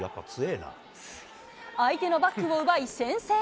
相手のバックを奪い、先制。